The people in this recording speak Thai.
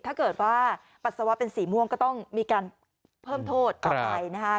ถ้าเกิดว่าปัสสาวะเป็นสีม่วงก็ต้องมีการเพิ่มโทษต่อไปนะคะ